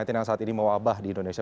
yang saat ini mewabah di indonesia